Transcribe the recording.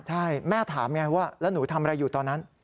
ใช่แม่ถามไงว่าแล้วหนูทำอะไรอยู่ตอนนั้น